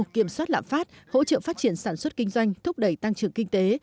kiểm soát lạm phát hỗ trợ phát triển sản xuất kinh doanh thúc đẩy tăng trưởng kinh tế